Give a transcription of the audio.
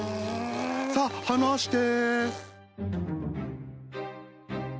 さあ離して。